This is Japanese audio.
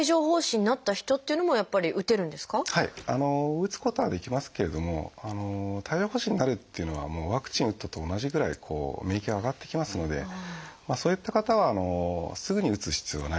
打つことはできますけれども帯状疱疹になるっていうのはワクチンを打ったと同じぐらい免疫が上がってきますのでそういった方はすぐに打つ必要はないと思いますね。